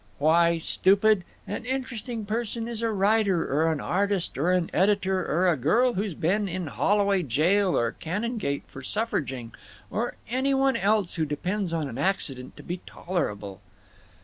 "Why, stupid, an Interesting Person is a writer or an artist or an editor or a girl who's been in Holloway Jail or Canongate for suffraging, or any one else who depends on an accident to be tolerable."